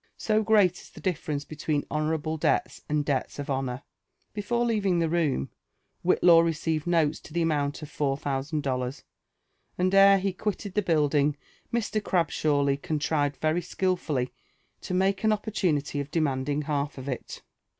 So great is the difference between honourable debts and debts ofhonour! Before leaving the room, Whillaw received notes to the amount of four thousand dollars; and, ere he quitted the building, Mr. Crab shawly contrived very skilfully to make an opportunity of demanding the half of it.